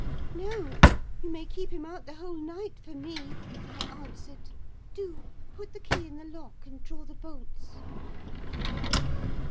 "'No, you may keep him out the whole night for me,' I answered. 'Do! put the key in the lock, and draw the bolts.